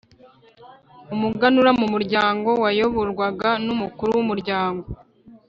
Umuganura mu muryango, wayoborwaga n’umukuru w’umuryango.